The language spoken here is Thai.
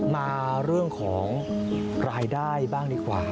มาเรื่องของรายได้บ้างดีกว่า